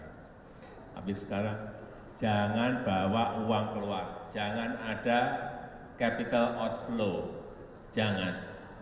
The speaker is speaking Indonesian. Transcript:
tapi sekarang jangan bawa uang keluar jangan ada capital outflow jangan